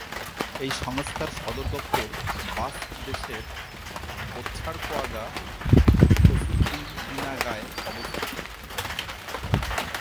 এই সংস্থার সদর দপ্তর বাস্ক দেশের ওতসারকোয়াগা-তসুরদিনাগায় অবস্থিত।